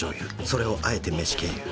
それをあえて飯経由。